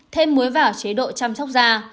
thêm muối vào chế độ chăm sóc da